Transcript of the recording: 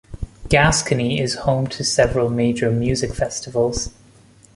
Gascony is home to several major music festivals.